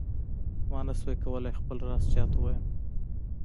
ما نه شو کولای خپل راز چاته ووایم.